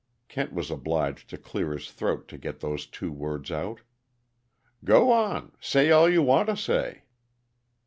Kent was obliged to clear his throat to get those two words out. "Go on. Say all you want to say."